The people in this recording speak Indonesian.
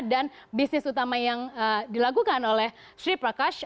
dan bisnis utama yang dilakukan oleh sri prakash